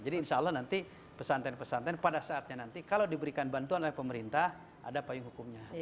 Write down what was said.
jadi insya allah nanti pesantren pesantren pada saatnya nanti kalau diberikan bantuan oleh pemerintah ada payung hukumnya